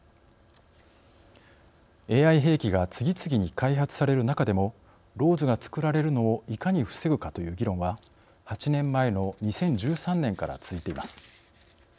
ＡＩ兵器が次々に開発される中でもＬＡＷＳが造られるのをいかに防ぐかという議論は８年前の２０１３年から続いています。